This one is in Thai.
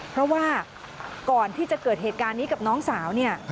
เพราะว่าก่อนที่จะเกิดเหตุการณ์นี้กับน้องสาวเนี่ย